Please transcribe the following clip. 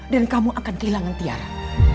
dan kamu akan kehilangan tiara